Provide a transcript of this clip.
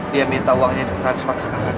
dia minta uangnya ditransfer sekarang